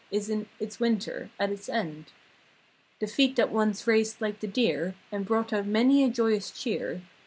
Is in its Winter; at its end. The feet that once raced like the deer. And brought out many a joyous cheer.